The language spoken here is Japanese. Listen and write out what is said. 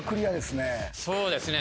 そうですね。